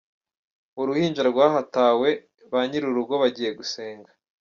Uruhinja rwahatawe ba nyir’ urugo bagiye gusenga.